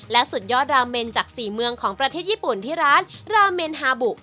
และสุดยอดราเมนจาก๔เมืองของประเทศญี่ปุ่นที่ร้านราเมนฮาบุ